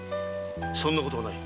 そんなことはない。